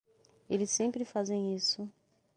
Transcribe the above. Eles sempre fazem isso.